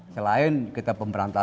selain kita pemberantasan